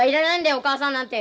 お母さんなんて。